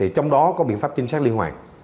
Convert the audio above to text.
trong đó có biện pháp trinh sát liên hoàn